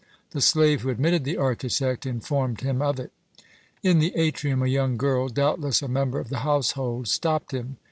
The slave who admitted the architect informed him of it. In the atrium a young girl, doubtless a member of the household, stopped him.